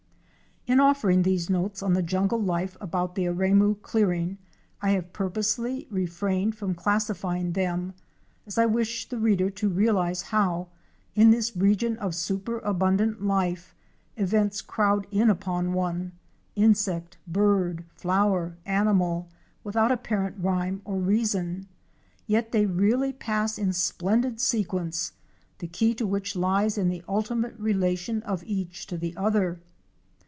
2 In offering these notes on the jungle life about the Aremu clearing, I have purposely refrained from classifying them, as I wished the reader to realize how, in this region of super abundant life, events crowd in upon one — insect, bird, flower, animal—without apparent rhyme or reason. Yet they really pass in splendid sequence, the key to which lies in the ultimate relation of each to the other.